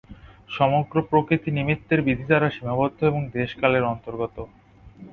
সমগ্র প্রকৃতি নিমিত্তের বিধি দ্বারা সীমাবদ্ধ এবং দেশ-কালের অন্তর্গত।